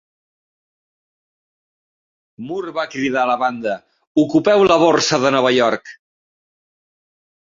Moore va cridar a la banda: "Ocupeu la Borsa de Nova York!".